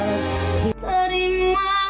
terimalah lagu ini